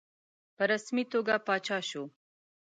په رسمي توګه پاچا شو.